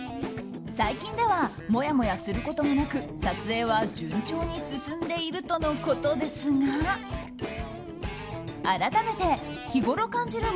最近ではもやもやすることもなく撮影は順調に進んでいるとのことですが改めて日ごろ感じる